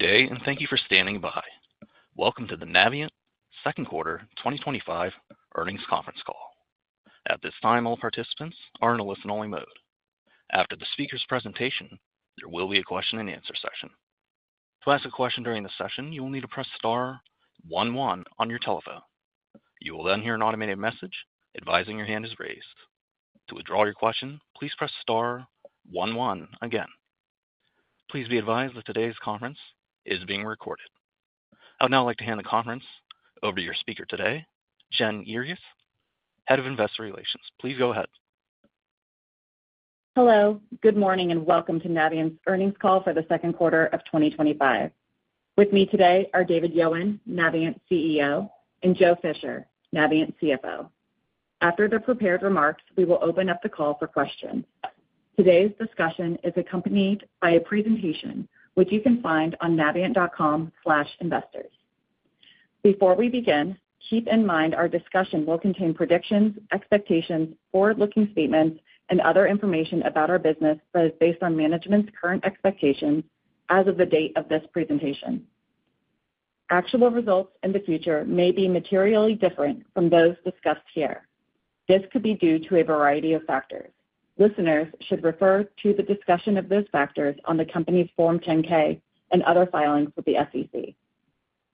Today, and thank you for standing by. Welcome to the Navient second quarter 2025 earnings conference call. At this time, all participants are in a listen-only mode. After the speaker's presentation, there will be a question and answer session. To ask a question during the session, you will need to press star one one on your telephone. You will then hear an automated message advising your hand is raised. To withdraw your question, please press star one one again. Please be advised that today's conference is being recorded. I would now like to hand the conference over to your speaker today, Jen Earyes, Head of Investor Relations. Please go ahead. Hello, good morning, and welcome to Navient's Earnings Call for the second quarter of 2025. With me today are David Yowan, Navient CEO, and Joe Fisher, Navient CFO. After the prepared remarks, we will open up the call for questions. Today's discussion is accompanied by a presentation, which you can find on navient.com/investors. Before we begin, keep in mind our discussion will contain predictions, expectations, forward-looking statements, and other information about our business that is based on management's current expectations as of the date of this presentation. Actual results in the future may be materially different from those discussed here. This could be due to a variety of factors. Listeners should refer to the discussion of those factors on the company's Form 10-K and other filings with the SEC.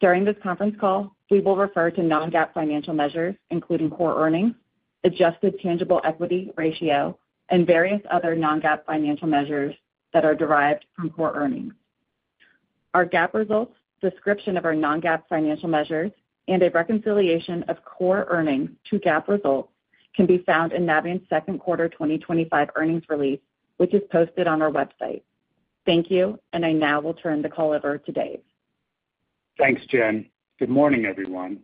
During this conference call, we will refer to non-GAAP financial measures, including core earnings, adjusted tangible equity ratio, and various other non-GAAP financial measures that are derived from core earnings. Our GAAP results, description of our non-GAAP financial measures, and a reconciliation of core earnings to GAAP results can be found in Navient's second quarter 2025 earnings release, which is posted on our website. Thank you, and I now will turn the call over to Dave. Thanks, Jen. Good morning, everyone.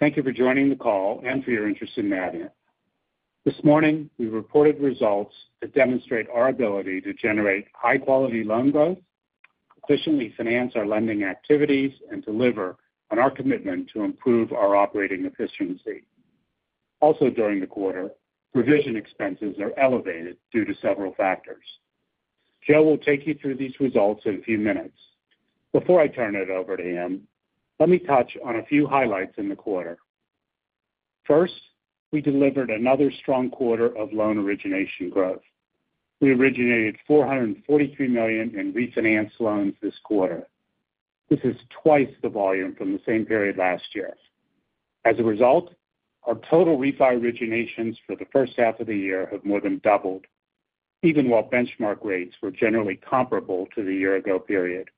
Thank you for joining the call and for your interest in Navient. This morning, we reported results that demonstrate our ability to generate high-quality loan growth, efficiently finance our lending activities, and deliver on our commitment to improve our operating efficiency. Also, during the quarter, provision expenses are elevated due to several factors. Joe will take you through these results in a few minutes. Before I turn it over to him, let me touch on a few highlights in the quarter. First, we delivered another strong quarter of loan origination growth. We originated $443 million in refinanced loans this quarter. This is twice the volume from the same period last year. As a result, our total refi originations for the first half of the year have more than doubled, even while benchmark rates were generally comparable to the year-ago period.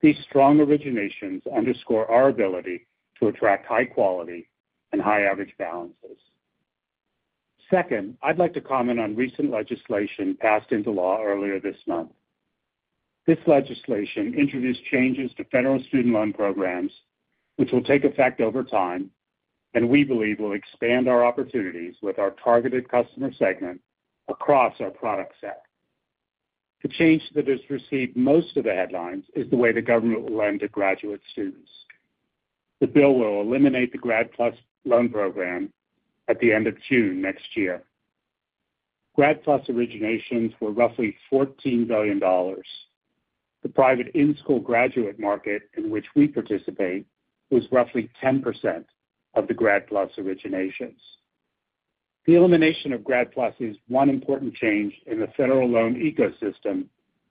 These strong originations underscore our ability to attract high-quality and high-average balances. Second, I'd like to comment on recent legislation passed into law earlier this month. This legislation introduced changes to federal student loan programs, which will take effect over time, and we believe will expand our opportunities with our targeted customer segment across our product set. The change that has received most of the headlines is the way the government will lend to graduate students. The bill will eliminate the Grad PLUS loan program at the end of June next year. Grad PLUS originations were roughly $14 billion. The private in-school graduate market in which we participate was roughly 10% of the Grad PLUS originations. The elimination of Grad PLUS is one important change in the federal loan ecosystem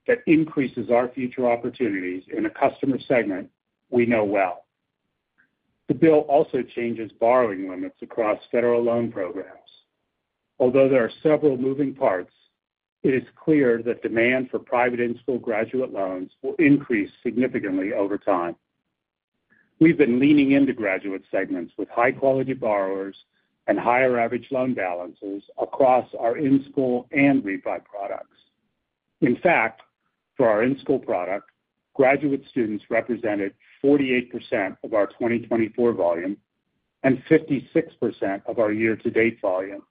that increases our future opportunities in a customer segment we know well. The bill also changes borrowing limits across federal loan programs. Although there are several moving parts, it is clear that demand for private in-school graduate loans will increase significantly over time. We've been leaning into graduate segments with high-quality borrowers and higher average loan balances across our in-school and refi products. In fact, for our in-school product, graduate students represented 48% of our 2024 volume and 56% of our year-to-date volume.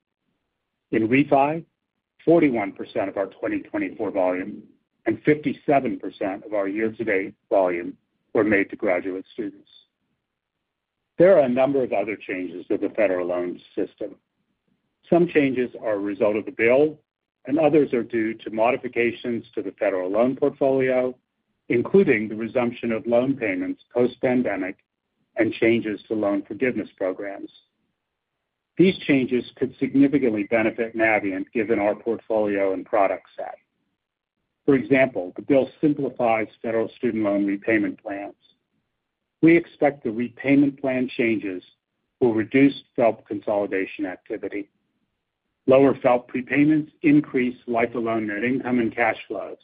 In refi, 41% of our 2024 volume and 57% of our year-to-date volume were made to graduate students. There are a number of other changes to the federal loan system. Some changes are a result of the bill, and others are due to modifications to the federal loan portfolio, including the resumption of loan payments post-pandemic and changes to loan forgiveness programs. These changes could significantly benefit Navient given our portfolio and product set. For example, the bill simplifies federal student loan repayment plans. We expect the repayment plan changes will reduce FFELP consolidation activity. Lower FFELP prepayments increase lifelong net income and cash flows.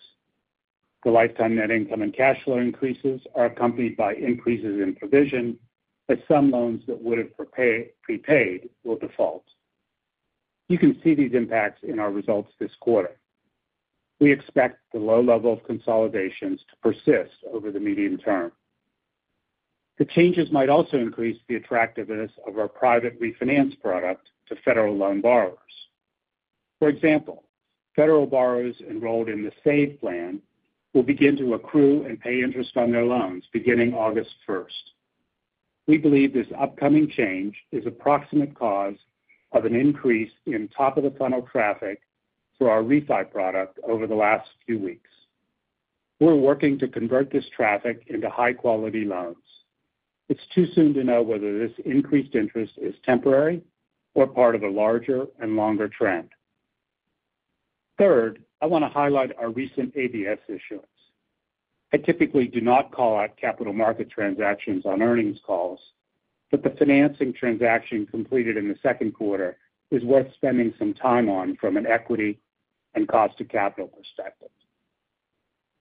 The lifetime net income and cash flow increases are accompanied by increases in provision as some loans that would have prepaid will default. You can see these impacts in our results this quarter. We expect the low level of consolidations to persist over the medium term. The changes might also increase the attractiveness of our private refinance product to federal loan borrowers. For example, federal borrowers enrolled in the SAVE plan will begin to accrue and pay interest on their loans beginning August 1. We believe this upcoming change is a proximate cause of an increase in top-of-the-funnel traffic for our refi product over the last few weeks. We're working to convert this traffic into high-quality loans. It's too soon to know whether this increased interest is temporary or part of a larger and longer trend. Third, I want to highlight our recent ABS issuance. I typically do not call out capital market transactions on earnings calls, but the financing transaction completed in the second quarter is worth spending some time on from an equity and cost-to-capital perspective.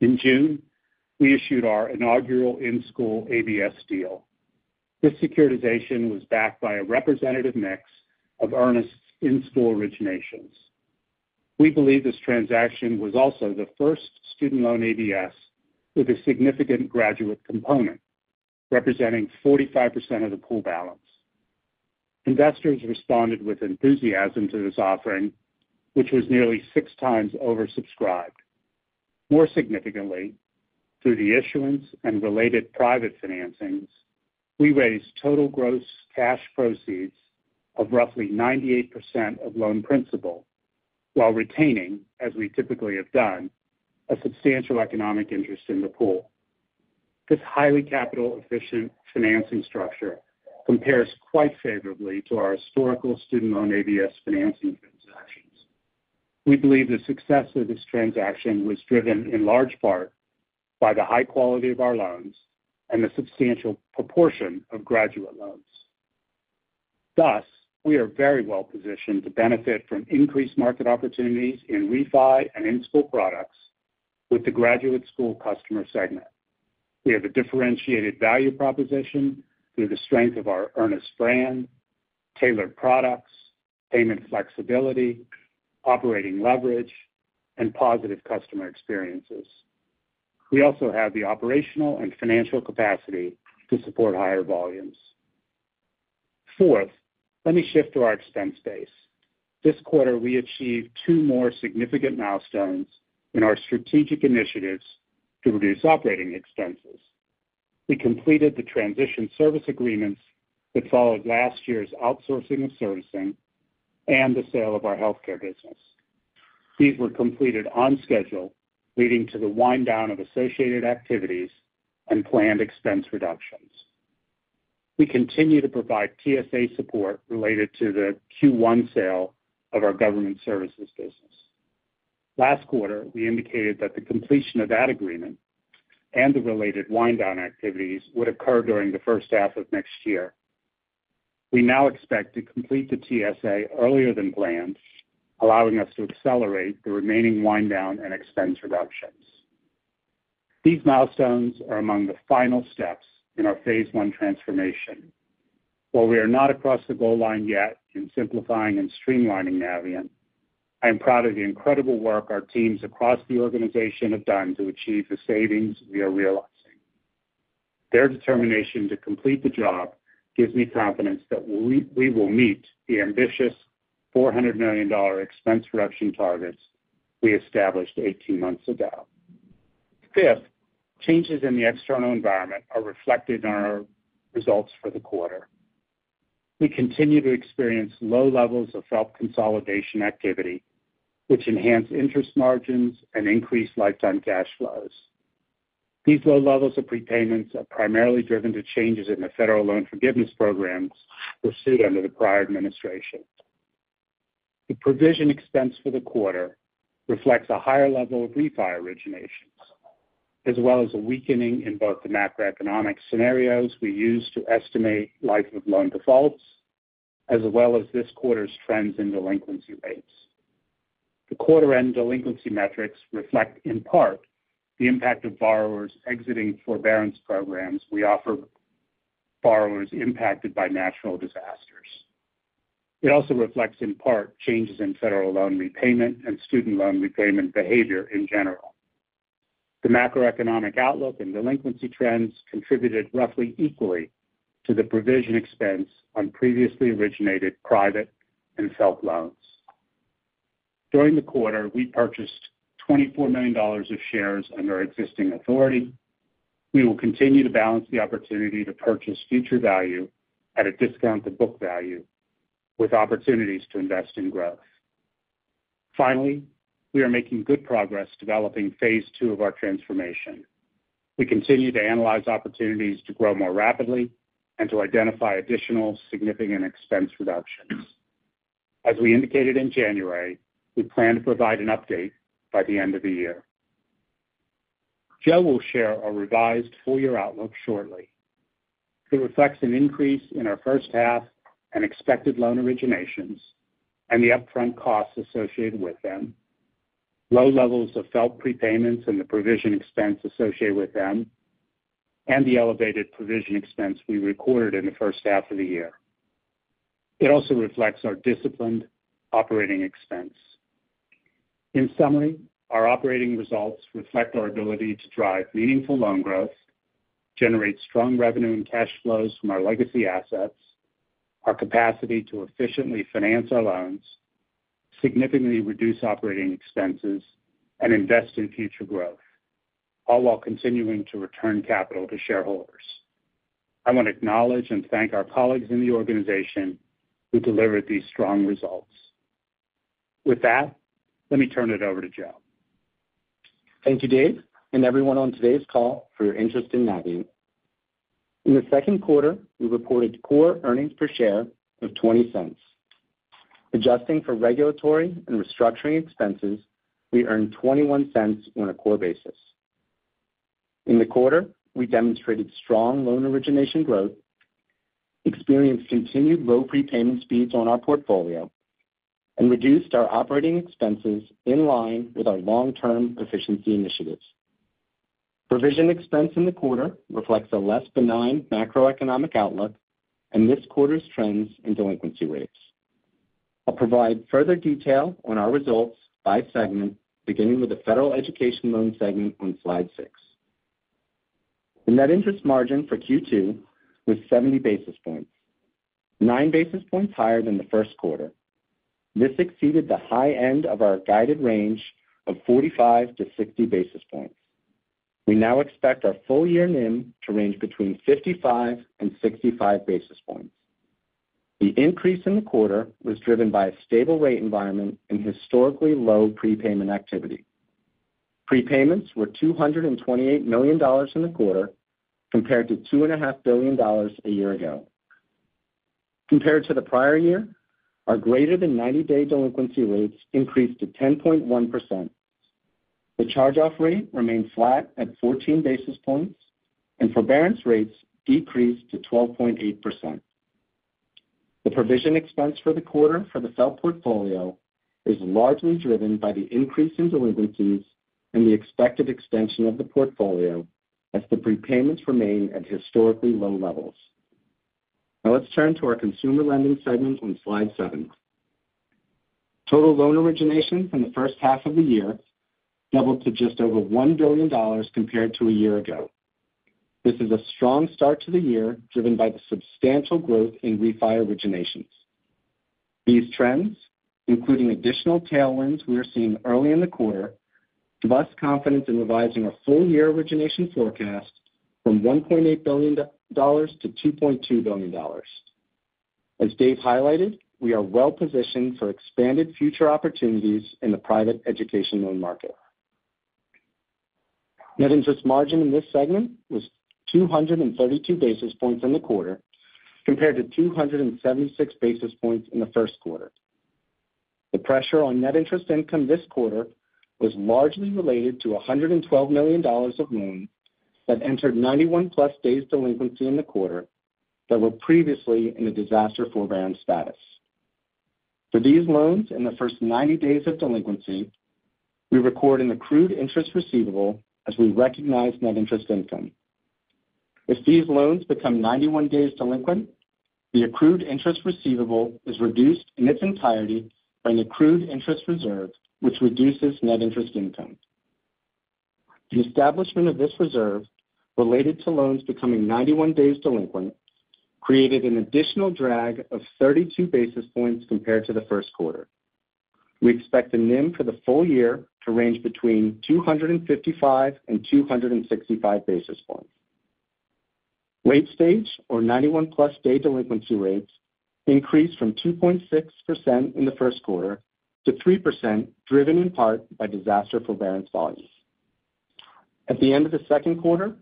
In June, we issued our inaugural in-school ABS deal. This securitization was backed by a representative mix of Earnest in-school originations. We believe this transaction was also the first student loan ABS with a significant graduate component, representing 45% of the pool balance. Investors responded with enthusiasm to this offering, which was nearly six times oversubscribed. More significantly, through the issuance and related private financings, we raised total gross cash proceeds of roughly 98% of loan principal, while retaining, as we typically have done, a substantial economic interest in the pool. This highly capital-efficient financing structure compares quite favorably to our historical student loan ABS financing transactions. We believe the success of this transaction was driven in large part by the high quality of our loans and the substantial proportion of graduate loans. Thus, we are very well positioned to benefit from increased market opportunities in refi and in-school products with the graduate school customer segment. We have a differentiated value proposition due to the strength of our Earnest brand, tailored products, payment flexibility, operating leverage, and positive customer experiences. We also have the operational and financial capacity to support higher volumes. Fourth, let me shift to our expense base. This quarter, we achieved two more significant milestones in our strategic initiatives to reduce operating expenses. We completed the transition service agreements that followed last year's outsourcing of servicing and the sale of our healthcare business. These were completed on schedule, leading to the wind-down of associated activities and planned expense reductions. We continue to provide TSA support related to the Q1 sale of our government services business. Last quarter, we indicated that the completion of that agreement and the related wind-down activities would occur during the first half of next year. We now expect to complete the TSA earlier than planned, allowing us to accelerate the remaining wind-down and expense reductions. These milestones are among the final steps in our phase one transformation. While we are not across the goal line yet in simplifying and streamlining Navient, I am proud of the incredible work our teams across the organization have done to achieve the savings we are realizing. Their determination to complete the job gives me confidence that we will meet the ambitious $400 million expense reduction targets we established 18 months ago. Fifth, changes in the external environment are reflected in our results for the quarter. We continue to experience low levels of FFELP consolidation activity, which enhance interest margins and increase lifetime cash flows. These low levels of prepayments are primarily driven by changes in the federal loan forgiveness programs pursued under the prior administration. The provision expense for the quarter reflects a higher level of refi origination, as well as a weakening in both the macroeconomic scenarios we use to estimate likelihood of loan defaults, as well as this quarter's trends in delinquency rates. The quarter-end delinquency metrics reflect in part the impact of borrowers exiting forbearance programs we offer borrowers impacted by natural disasters. It also reflects in part changes in federal loan repayment and student loan repayment behavior in general. The macroeconomic outlook and delinquency trends contributed roughly equally to the provision expense on previously originated private and FFELP loans. During the quarter, we purchased $24 million of shares under existing authority. We will continue to balance the opportunity to purchase future value at a discounted book value with opportunities to invest in growth. Finally, we are making good progress developing phase two of our transformation. We continue to analyze opportunities to grow more rapidly and to identify additional significant expense reductions. As we indicated in January, we plan to provide an update by the end of the year. Joe will share a revised full-year outlook shortly. It reflects an increase in our first half and expected loan originations and the upfront costs associated with them, low levels of FFELP prepayments and the provision expense associated with them, and the elevated provision expense we recorded in the first half of the year. It also reflects our disciplined operating expense. In summary, our operating results reflect our ability to drive meaningful loan growth, generate strong revenue and cash flows from our legacy assets, our capacity to efficiently finance our loans, significantly reduce operating expenses, and invest in future growth, all while continuing to return capital to shareholders. I want to acknowledge and thank our colleagues in the organization who delivered these strong results. With that, let me turn it over to Joe. Thank you, Dave, and everyone on today's call for your interest in Navient. In the second quarter, we reported core earnings per share of $0.20. Adjusting for regulatory and restructuring expenses, we earned $0.21 on a core basis. In the quarter, we demonstrated strong loan origination growth, experienced continued low prepayment speeds on our portfolio, and reduced our operating expenses in line with our long-term efficiency initiatives. Provision expense in the quarter reflects a less benign macroeconomic outlook and this quarter's trends in delinquency rates. I'll provide further detail on our results by segment, beginning with the federal education loan segment on slide six. The net interest margin for Q2 was 70 basis points, 9 basis points higher than the first quarter. This exceeded the high end of our guided range of 45-60 basis points. We now expect our full-year NIM to range between 55 and 65 basis points. The increase in the quarter was driven by a stable rate environment and historically low prepayment activity. Prepayments were $228 million in the quarter compared to $2.5 billion a year ago. Compared to the prior year, our greater than 90-day delinquency rates increased to 10.1%. The charge-off rate remains flat at 14 basis points, and forbearance rates decreased to 12.8%. The provision expense for the FFELP portfolio is largely driven by the increase in delinquencies and the expected expansion of the portfolio as the prepayments remain at historically low levels. Now let's turn to our consumer lending segment on slide seven. Total loan origination in the first half of the year doubled to just over $1 billion compared to a year ago. This is a strong start to the year, driven by the substantial growth in refi originations. These trends, including additional tailwinds we are seeing early in the quarter, boost confidence in revising a full-year origination forecast from $1.8 billion to $2.2 billion. As Dave highlighted, we are well positioned for expanded future opportunities in the private education loan market. Net interest margin in this segment was 232 basis points in the quarter compared to 276 basis points in the first quarter. The pressure on net interest income this quarter was largely related to $112 million of loans that entered 91-plus days delinquency in the quarter that were previously in a disaster forbearance status. For these loans in the first 90 days of delinquency, we record an accrued interest receivable as we recognize net interest income. If these loans become 91 days delinquent, the accrued interest receivable is reduced in its entirety by an accrued interest reserve, which reduces net interest income. The establishment of this reserve related to loans becoming 91 days delinquent created an additional drag of 32 basis points compared to the first quarter. We expect the NIM for the full year to range between 255 and 265 basis points. Late stage or 91-plus day delinquency rates increased from 2.6% in the first quarter to 3%, driven in part by disaster forbearance volumes. At the end of the second quarter,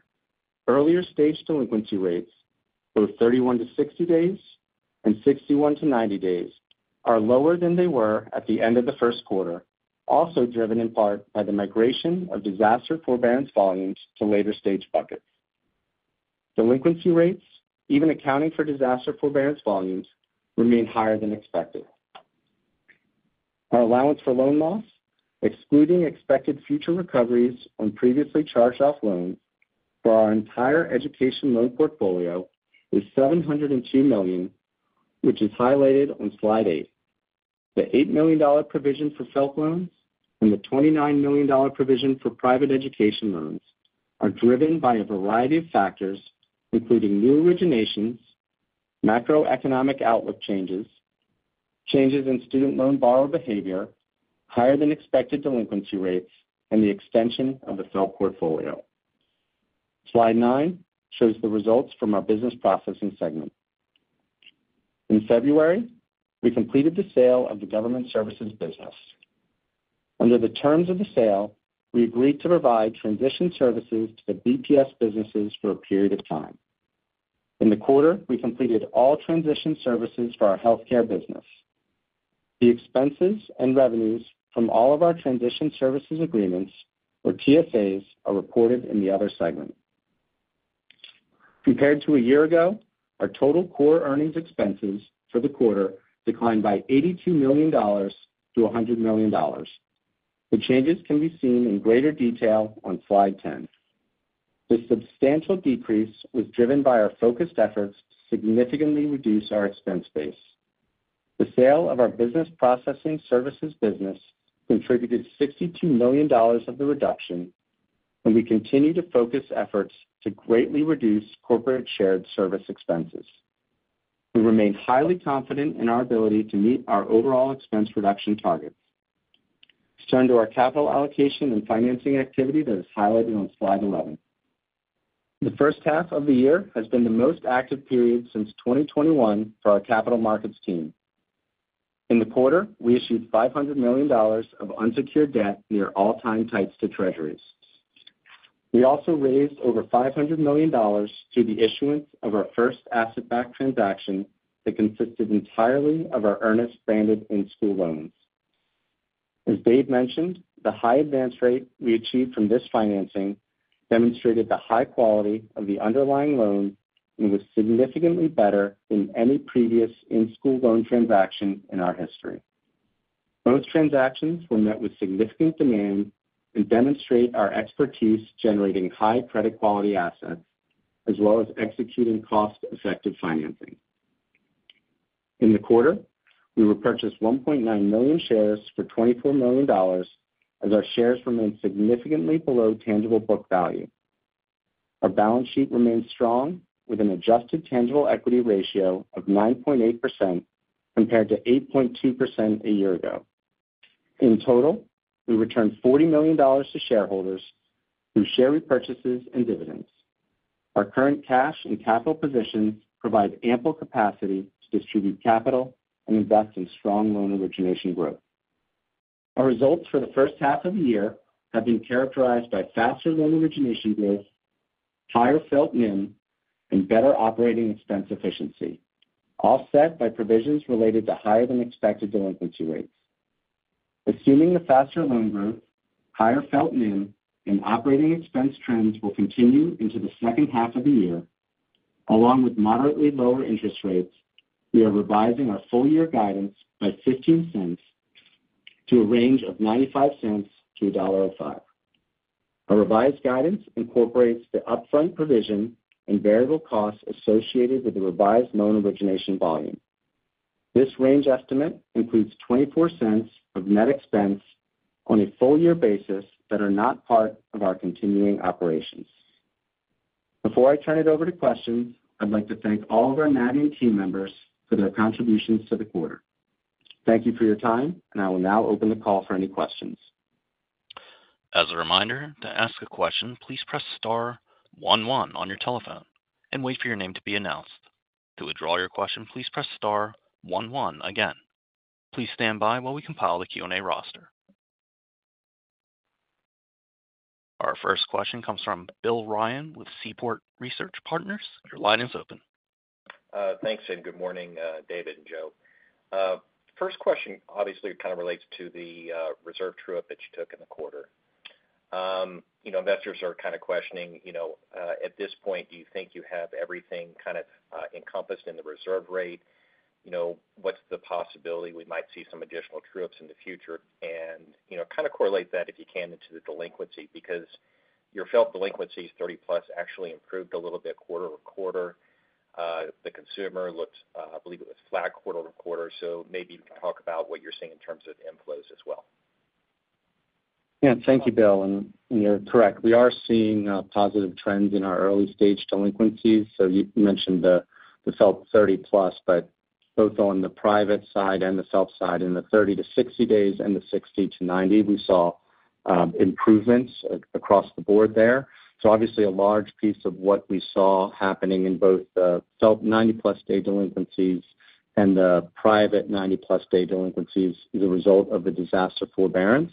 earlier stage delinquency rates were 31-60 days and 61-90 days, lower than they were at the end of the first quarter, also driven in part by the migration of disaster forbearance volumes to later stage buckets. Delinquency rates, even accounting for disaster forbearance volumes, remain higher than expected. Our allowance for loan loss, excluding expected future recoveries on previously charged off loans for our entire education loan portfolio, is $702 million, which is highlighted on slide eight. The $8 million provision for FFELP loans and the $29 million provision for private education loans are driven by a variety of factors, including new originations, macroeconomic outlook changes, changes in student loan borrower behavior, higher than expected delinquency rates, and the extension of the FFELP portfolio. Slide nine shows the results from our business process outsourcing segment. In February, we completed the sale of the government services business. Under the terms of the sale, we agreed to provide transition services to BPS businesses for a period of time. In the quarter, we completed all transition services for our healthcare business. The expenses and revenues from all of our transition service agreements or TSAs are reported in the other segment. Compared to a year ago, our total core earnings expenses for the quarter declined by $82 million to $100 million. The changes can be seen in greater detail on slide ten. The substantial decrease was driven by our focused efforts to significantly reduce our expense base. The sale of our business process outsourcing services business contributed $62 million of the reduction, and we continue to focus efforts to greatly reduce corporate shared service expenses. We remain highly confident in our ability to meet our overall expense reduction target. Let's turn to our capital allocation and financing activity that is highlighted on slide 11. The first half of the year has been the most active period since 2021 for our capital markets team. In the quarter, we issued $500 million of unsecured debt near all-time tights to treasuries. We also raised over $500 million through the issuance of our first asset-backed transaction that consisted entirely of our Earnest branded in-school loans. As Dave mentioned, the high advance rate we achieved from this financing demonstrated the high quality of the underlying loan and was significantly better than any previous in-school loan transaction in our history. Both transactions were met with significant demand and demonstrate our expertise generating high credit quality assets, as well as executing cost-effective financing. In the quarter, we purchased 1.9 million shares for $24 million, as our shares remain significantly below tangible book value. Our balance sheet remains strong with an adjusted tangible equity ratio of 9.8% compared to 8.2% a year ago. In total, we returned $40 million to shareholders through share repurchases and dividends. Our current cash and capital positions provide ample capacity to distribute capital and invest in strong loan origination growth. Our results for the first half of the year have been characterized by faster loan origination growth, higher FFELP NIM, and better operating expense efficiency, offset by provisions related to higher than expected delinquency rates. Assuming the faster loan growth, higher FFELP NIM, and operating expense trends will continue into the second half of the year, along with moderately lower interest rates, we are revising our full-year guidance by $0.15 to a range of $0.95 to $1.05. Our revised guidance incorporates the upfront provision and variable costs associated with the revised loan origination volume. This range estimate includes $0.24 of net expense on a full-year basis that are not part of our continuing operations. Before I turn it over to questions, I'd like to thank all of our Navient team members for their contributions to the quarter. Thank you for your time, and I will now open the call for any questions. As a reminder, to ask a question, please press star one one on your telephone and wait for your name to be announced. To withdraw your question, please press star one one again. Please stand by while we compile the Q&A roster. Our first question comes from Bill Ryan with Seaport Research Partners. Your line is open. Thanks, Jen. Good morning, David and Joe. First question, obviously, it kind of relates to the reserve trip that you took in the quarter. Investors are kind of questioning, at this point, do you think you have everything kind of encompassed in the reserve rate? What's the possibility we might see some additional trips in the future? Can you kind of correlate that into the delinquency because your FFELP delinquencies 30-plus actually improved a little bit quarter to quarter? The consumer looked, I believe it was flat quarter to quarter. Maybe talk about what you're seeing in terms of inflows as well. Thank you, Bill. You're correct. We are seeing positive trends in our early stage delinquencies. You mentioned the FFELP 30-plus, but both on the private side and the FFELP side, in the 30 to 60 days and the 60 to 90, we saw improvements across the board there. Obviously, a large piece of what we saw happening in both the FFELP 90-plus day delinquencies and the private 90-plus day delinquencies is a result of the disaster forbearance.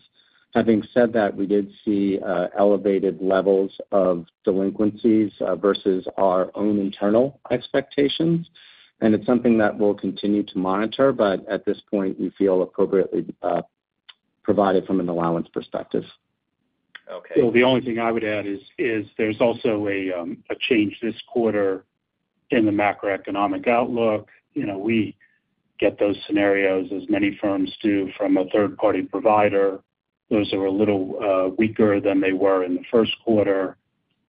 Having said that, we did see elevated levels of delinquencies versus our own internal expectations. It's something that we'll continue to monitor. At this point, you feel appropriately provided from an allowance perspective. Okay. There is also a change this quarter in the macroeconomic outlook. You know, we get those scenarios, as many firms do, from a third-party provider. Those are a little weaker than they were in the first quarter.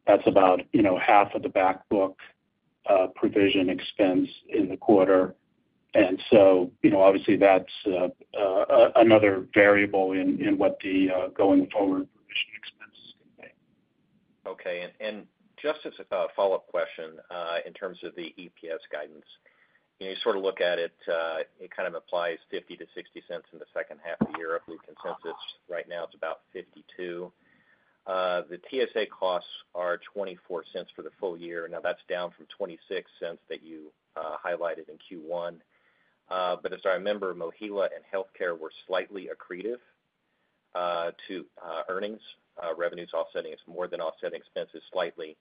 That's about, you know, half of the backbook provision expense in the quarter. Obviously, that's another variable in what the going forward provision expense is going to be. Okay. Just as a follow-up question in terms of the EPS guidance, you know, you sort of look at it, it kind of implies $0.50 to $0.60 in the second half of the year of the consensus. Right now, it's about $0.52. The TSA costs are $0.24 for the full year. That's down from $0.26 that you highlighted in Q1. As I remember, MOHELA and healthcare were slightly accretive to earnings, revenues offsetting more than offsetting expenses slightly.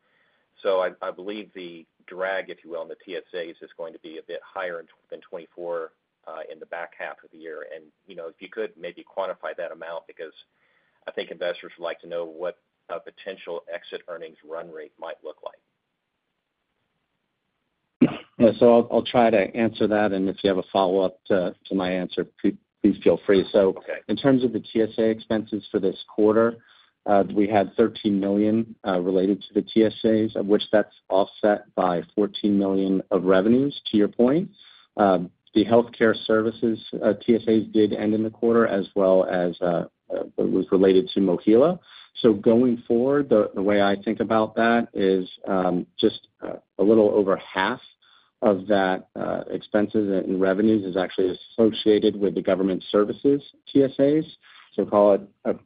I believe the drag, if you will, on the TSAs is going to be a bit higher than $0.24 in the back half of the year. If you could maybe quantify that amount because I think investors would like to know what a potential exit earnings run rate might look like. I'll try to answer that. If you have a follow-up to my answer, please feel free. In terms of the TSA expenses for this quarter, we had $13 million related to the TSAs, of which that's offset by $14 million of revenues. To your point, the healthcare services TSAs did end in the quarter, as well as it was related to MOHELA. Going forward, the way I think about that is just a little over half of that expenses and revenues is actually associated with the government services TSAs. Call it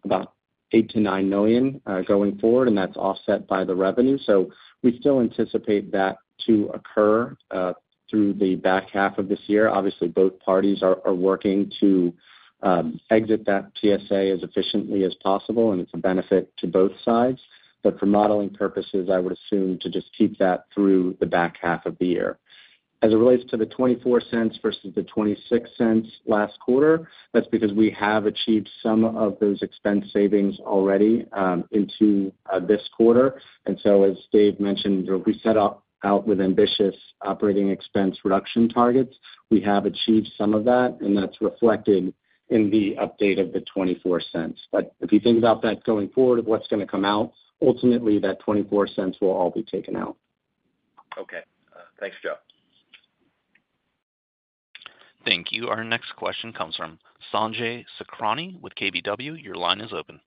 about $8 to $9 million going forward, and that's offset by the revenue. We still anticipate that to occur through the back half of this year. Obviously, both parties are working to exit that TSA as efficiently as possible, and it's a benefit to both sides. For modeling purposes, I would assume to just keep that through the back half of the year. As it relates to the $0.24 versus the $0.26 last quarter, that's because we have achieved some of those expense savings already into this quarter. As Dave mentioned, you know, we set out with ambitious operating expense reduction targets. We have achieved some of that, and that's reflected in the update of the $0.24. If you think about that going forward, of what's going to come out, ultimately, that $0.24 will all be taken out. Okay. Thanks, Joe. Thank you. Our next question comes from Sanjay Sakhrani with KBW. Your line is open.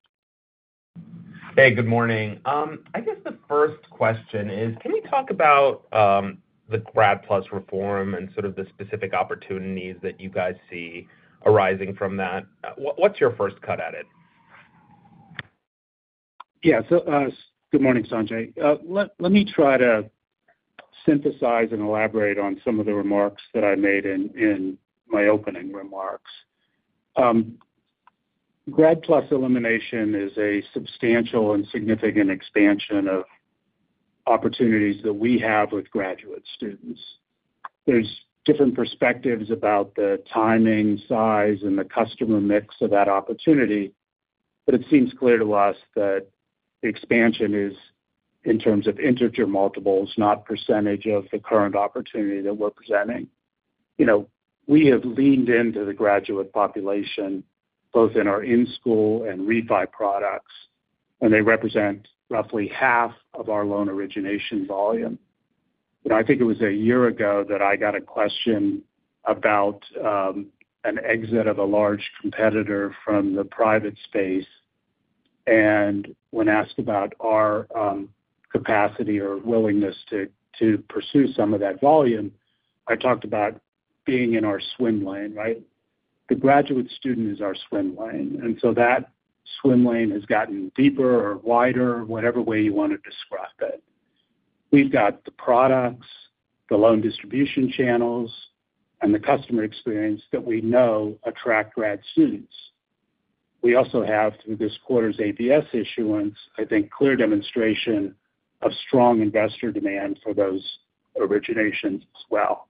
Hey, good morning. I guess the first question is, can you talk about the Grad PLUS reform and sort of the specific opportunities that you guys see arising from that? What's your first cut at it? Yeah. Good morning, Sanjay. Let me try to synthesize and elaborate on some of the remarks that I made in my opening remarks. Grad PLUS elimination is a substantial and significant expansion of opportunities that we have with graduate students. There are different perspectives about the timing, size, and the customer mix of that opportunity, but it seems clear to us that the expansion is in terms of integer multiples, not % of the current opportunity that we're presenting. We have leaned into the graduate population, both in our in-school and refi products, and they represent roughly half of our loan origination volume. I think it was a year ago that I got a question about an exit of a large competitor from the private space. When asked about our capacity or willingness to pursue some of that volume, I talked about being in our swim lane, right? The graduate student is our swim lane. That swim lane has gotten deeper or wider, whatever way you want to describe it. We've got the products, the loan distribution channels, and the customer experience that we know attract grad students. We also have, through this quarter's ABS issuance, clear demonstration of strong investor demand for those originations as well.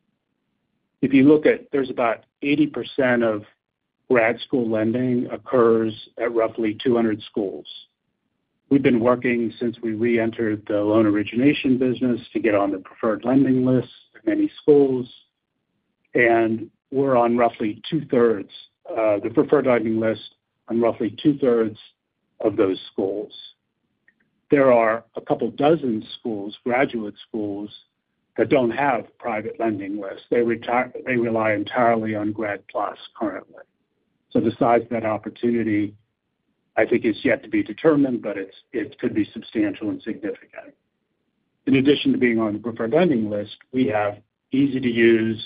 If you look at it, about 80% of grad school lending occurs at roughly 200 schools. We've been working since we reentered the loan origination business to get on the preferred lending lists of many schools. We're on roughly two-thirds of the preferred lending list and roughly two-thirds of those schools. There are a couple dozen graduate schools that don't have private lending lists. They rely entirely on Grad PLUS currently. The size of that opportunity, I think, is yet to be determined, but it could be substantial and significant. In addition to being on the preferred lending list, we have easy-to-use,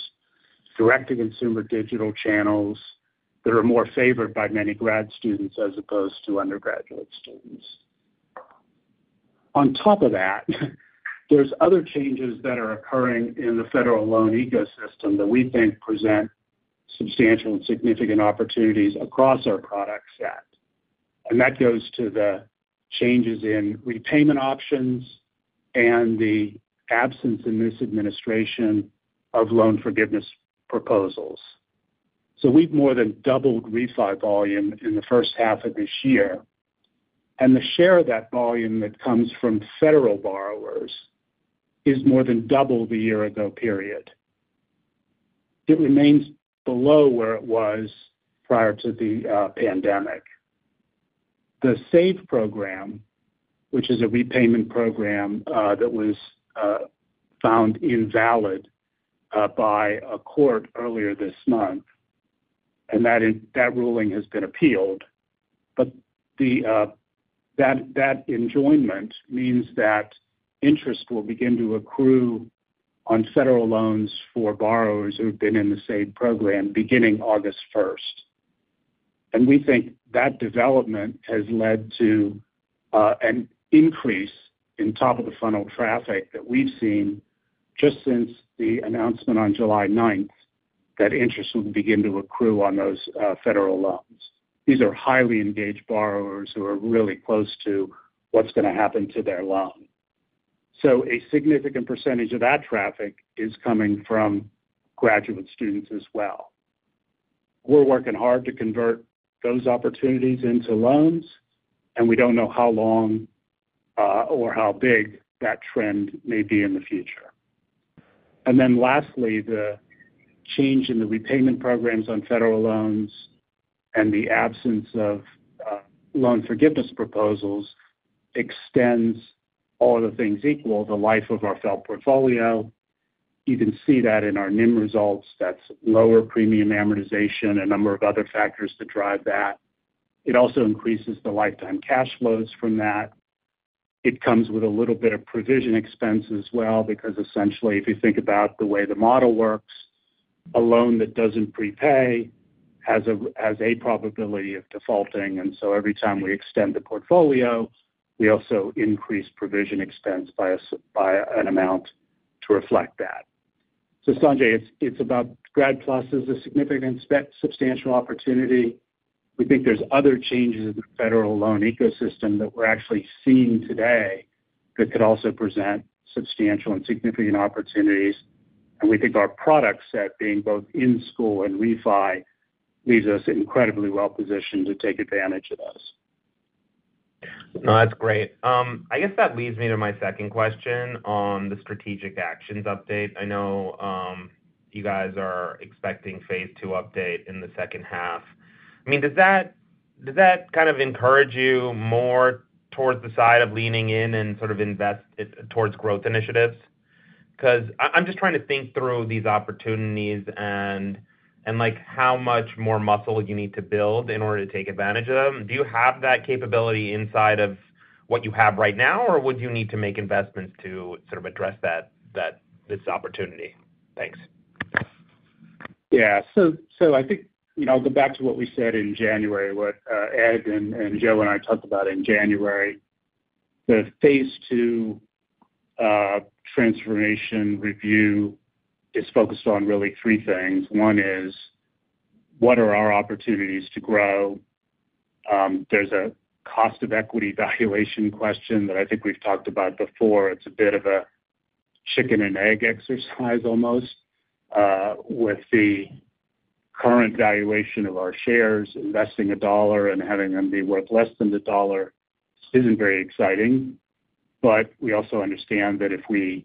direct-to-consumer digital channels that are more favored by many grad students as opposed to undergraduate students. On top of that, there are other changes that are occurring in the federal loan ecosystem that we think present substantial and significant opportunities across our product set. That goes to the changes in repayment options and the absence in this administration of loan forgiveness proposals. We've more than doubled refi volume in the first half of this year, and the share of that volume that comes from federal borrowers is more than double the year-ago period. It remains below where it was prior to the pandemic. The SAVE program, which is a repayment program that was found invalid by a court earlier this month, and that ruling has been appealed. That enjoyment means that interest will begin to accrue on federal loans for borrowers who have been in the SAVE program beginning August 1st. We think that development has led to an increase in top-of-the-funnel traffic that we've seen just since the announcement on July 9th that interest will begin to accrue on those federal loans. These are highly engaged borrowers who are really close to what's going to happen to their loan. A significant percentage of that traffic is coming from graduate students as well. We're working hard to convert those opportunities into loans, and we don't know how long or how big that trend may be in the future. Lastly, the change in the repayment programs on federal loans and the absence of loan forgiveness proposals extends, all other things equal, the life of our FFELP portfolio. You can see that in our NIM results. That's lower premium amortization and a number of other factors that drive that. It also increases the lifetime cash flows from that. It comes with a little bit of provision expense as well because, essentially, if you think about the way the model works, a loan that doesn't prepay has a probability of defaulting. Every time we extend the portfolio, we also increase provision expense by an amount to reflect that. Sanjay, it's about Grad PLUS is a significant substantial opportunity. We think there's other changes in the federal loan ecosystem that we're actually seeing today that could also present substantial and significant opportunities. We think our product set, being both in-school and refi, leaves us incredibly well positioned to take advantage of those. No, that's great. I guess that leads me to my second question on the strategic actions update. I know you guys are expecting phase two update in the second half. Does that kind of encourage you more towards the side of leaning in and sort of invest towards growth initiatives? I'm just trying to think through these opportunities and how much more muscle you need to build in order to take advantage of them. Do you have that capability inside of what you have right now, or would you need to make investments to sort of address this opportunity? Thanks. Yeah. I think, you know, I'll go back to what we said in January, what Ed and Joe and I talked about in January. The phase two transformation review is focused on really three things. One is, what are our opportunities to grow? There's a cost of equity valuation question that I think we've talked about before. It's a bit of a chicken and egg exercise almost. With the current valuation of our shares, investing a dollar and having them be worth less than the dollar isn't very exciting. We also understand that if we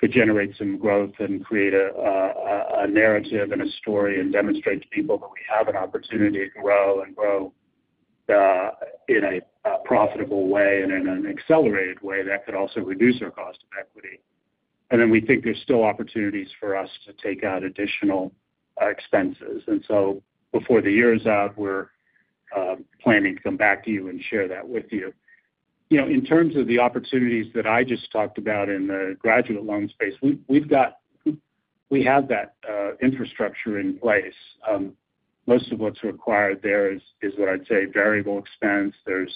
could generate some growth and create a narrative and a story and demonstrate to people that we have an opportunity to grow and grow in a profitable way and in an accelerated way, that could also reduce our cost of equity. We think there's still opportunities for us to take out additional expenses. Before the year is out, we're planning to come back to you and share that with you. In terms of the opportunities that I just talked about in the graduate loan space, we've got, we have that infrastructure in place. Most of what's required there is what I'd say variable expense. There's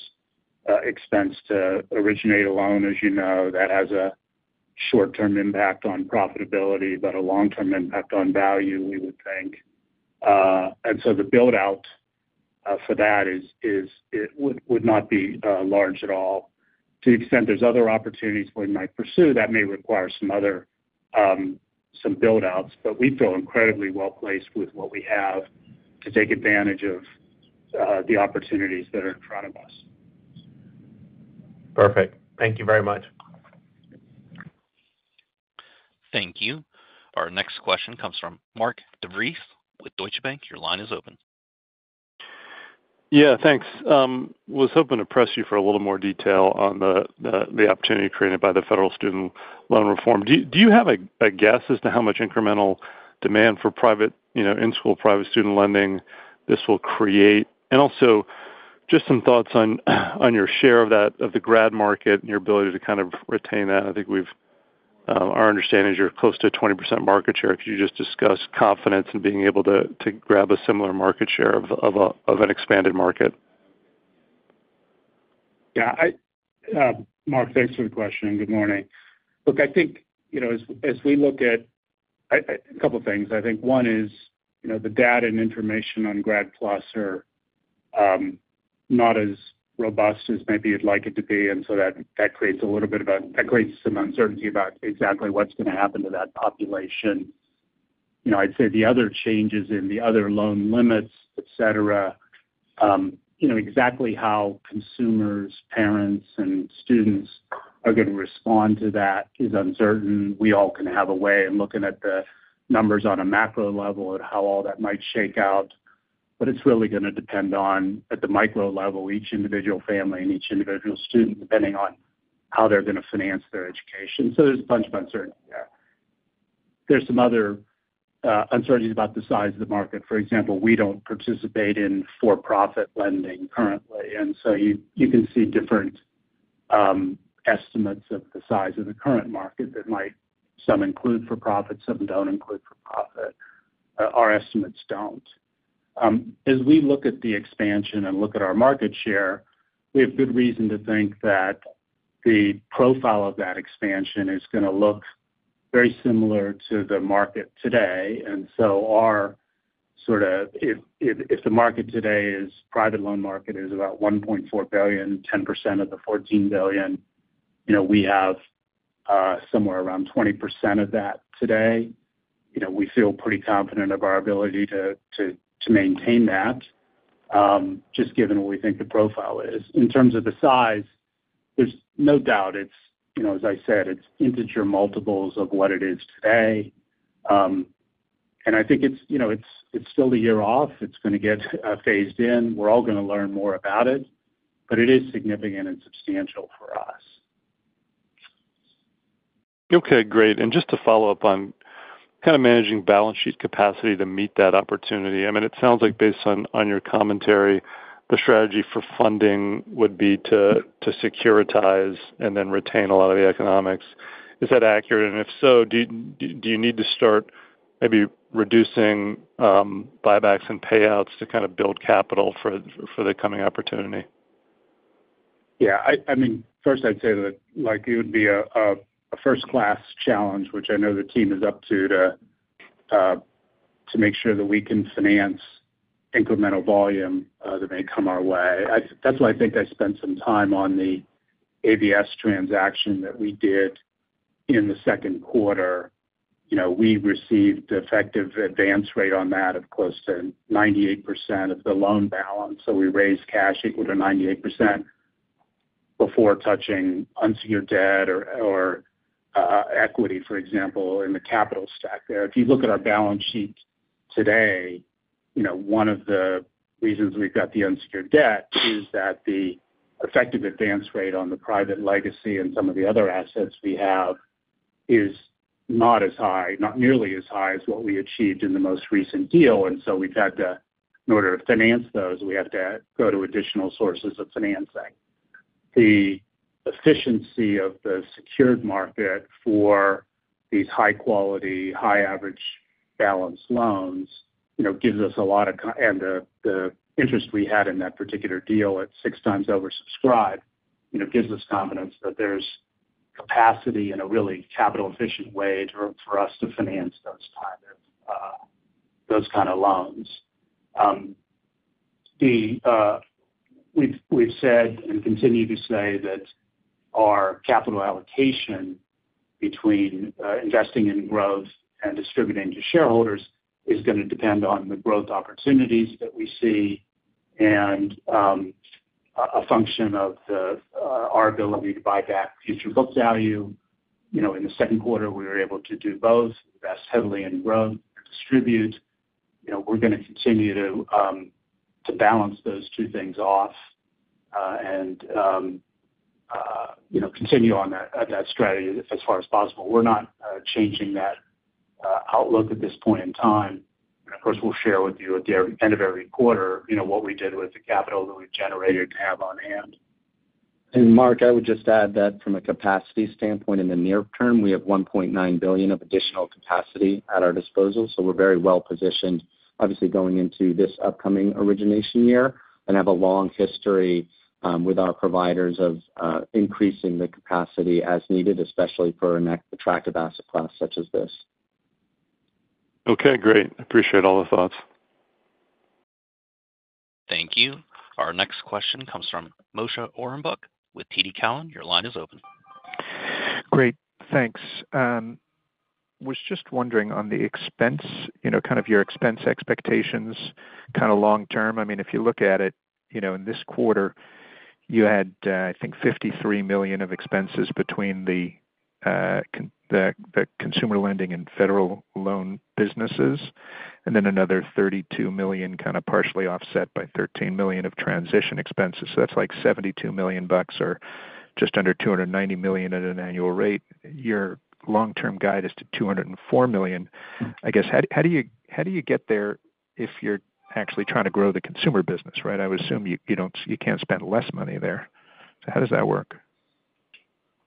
expense to originate a loan, as you know, that has a short-term impact on profitability, but a long-term impact on value, we would think. The build-out for that is, it would not be large at all. To the extent there's other opportunities we might pursue, that may require some other build-outs. We feel incredibly well placed with what we have to take advantage of the opportunities that are in front of us. Perfect. Thank you very much. Thank you. Our next question comes from Mark DeVries with Deutsche Bank. Your line is open. Yeah, thanks. I was hoping to press you for a little more detail on the opportunity created by the federal student loan reform. Do you have a guess as to how much incremental demand for private, you know, in-school private student lending this will create? Also, just some thoughts on your share of that, of the grad market and your ability to kind of retain that. I think our understanding is you're close to 20% market share. Could you just discuss confidence in being able to grab a similar market share of an expanded market? Yeah. Mark, thanks for the question. Good morning. Look, I think, as we look at a couple of things, I think one is, the data and information on Grad PLUS are not as robust as maybe you'd like it to be. That creates some uncertainty about exactly what's going to happen to that population. I'd say the other changes in the other loan limits, etc. Exactly how consumers, parents, and students are going to respond to that is uncertain. We all can have a way of looking at the numbers on a macro level and how all that might shake out. It's really going to depend on, at the micro level, each individual family and each individual student, depending on how they're going to finance their education. There's a bunch of uncertainty there. There's some other uncertainty about the size of the market. For example, we don't participate in for-profit lending currently. You can see different estimates of the size of the current market that might include for-profit, some don't include for-profit. Our estimates don't. As we look at the expansion and look at our market share, we have good reason to think that the profile of that expansion is going to look very similar to the market today. If the market today is private loan market, is about $1.4 billion, 10% of the $14 billion. We have somewhere around 20% of that today. We feel pretty confident of our ability to maintain that, just given what we think the profile is. In terms of the size, there's no doubt, as I said, it's integer multiples of what it is today. I think it's still the year off. It's going to get phased in. We're all going to learn more about it. It is significant and substantial for us. Okay, great. Just to follow up on kind of managing balance sheet capacity to meet that opportunity, it sounds like based on your commentary, the strategy for funding would be to securitize and then retain a lot of the economics. Is that accurate? If so, do you need to start maybe reducing buybacks and payouts to kind of build capital for the coming opportunity? Yeah, I mean, first, I'd say that it would be a first-class challenge, which I know the team is up to, to make sure that we can finance incremental volume that may come our way. That's why I think I spent some time on the ABS transaction that we did in the second quarter. We received the effective advance rate on that of close to 98% of the loan balance. We raised cash equal to 98% before touching unsecured debt or equity, for example, in the capital stack there. If you look at our balance sheet today, one of the reasons we've got the unsecured debt is that the effective advance rate on the private legacy and some of the other assets we have is not as high, not nearly as high as what we achieved in the most recent deal. We've had to, in order to finance those, go to additional sources of financing. The efficiency of the secured market for these high quality, high average balance loans, and the interest we had in that particular deal at six times oversubscribed, gives us confidence that there's capacity in a really capital-efficient way for us to finance those kind of loans. We've said and continue to say that our capital allocation between investing in growth and distributing to shareholders is going to depend on the growth opportunities that we see and a function of our ability to buy back future book value. In the second quarter, we were able to do both, invest heavily in growth, distribute. We're going to continue to balance those two things off and continue on that strategy as far as possible. We're not changing that outlook at this point in time. Of course, we'll share with you at the end of every quarter what we did with the capital that we've generated and have on hand. Mark, I would just add that from a capacity standpoint in the near term, we have $1.9 billion of additional capacity at our disposal. We are very well positioned, obviously, going into this upcoming origination year and have a long history with our providers of increasing the capacity as needed, especially for an attractive asset class such as this. Okay, great. I appreciate all the thoughts. Thank you. Our next question comes from Moshe Orenbuch with TD Cowen. Your line is open. Great, thanks. I was just wondering on the expense, you know, kind of your expense expectations, kind of long term. I mean, if you look at it, you know, in this quarter, you had, I think, $53 million of expenses between the consumer lending and federal loan businesses, and then another $32 million kind of partially offset by $13 million of transition expenses. That's like $72 million or just under $290 million at an annual rate. Your long-term guide is to $204 million. I guess, how do you get there if you're actually trying to grow the consumer business, right? I would assume you can't spend less money there. How does that work?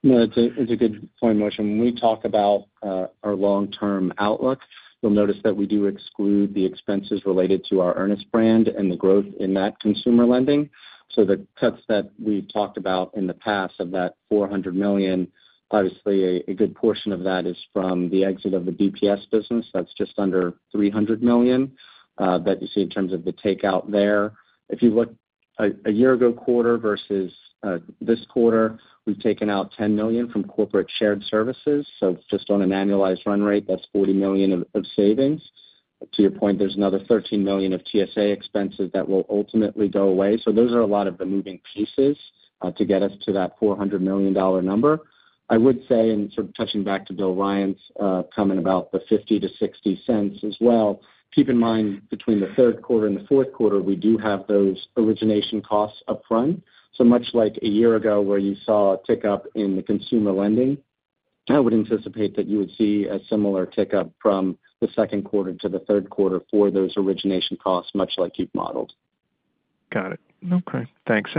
No, it's a good point, Moshe. When we talk about our long-term outlook, you'll notice that we do exclude the expenses related to our Earnest brand and the growth in that consumer lending. The cuts that we've talked about in the past of that $400 million, obviously, a good portion of that is from the exit of the business process outsourcing business. That's just under $300 million that you see in terms of the takeout there. If you look at a year-ago quarter versus this quarter, we've taken out $10 million from corporate shared services. On an annualized run rate, that's $40 million of savings. To your point, there's another $13 million of transition service agreement expenses that will ultimately go away. Those are a lot of the moving pieces to get us to that $400 million number. I would say, and sort of touching back to Bill Ryan's comment about the $0.50 to $0.60 as well, keep in mind between the third quarter and the fourth quarter, we do have those origination costs upfront. Much like a year ago where you saw a tick up in the consumer lending, I would anticipate that you would see a similar tick up from the second quarter to the third quarter for those origination costs, much like you've modeled. Got it. Okay, thanks.